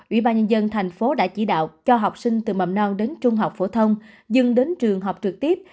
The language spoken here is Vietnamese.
ủy ban nhân dân thành phố đã chỉ đạo cho học sinh từ mầm non đến trung học phổ thông dừng đến trường học trực tiếp